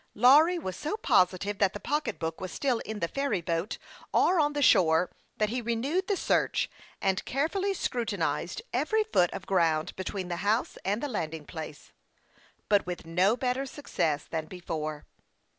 Lawry was so positive that the pocketbook was still in the ferry boat, or on the shore, that he re newed the search, and carefully scrutinized every foot of ground between the house and the landing place, but with no better success than before.